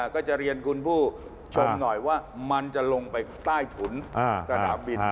ก็จะเรียนคุณผู้ชมหน่อยว่ามันจะลงไปใต้ถุนสนามบิน